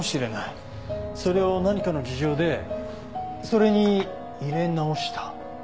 それを何かの事情でそれに入れ直した。